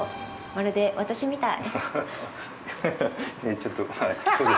まるで私みたい。